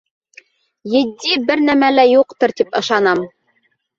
Етди бер нәмә лә юҡтыр, тип ышанам